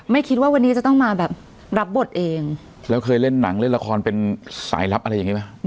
คิดว่าวันนี้จะต้องมาแบบรับบทเองแล้วเคยเล่นหนังเล่นละครเป็นสายลับอะไรอย่างงี้ไหม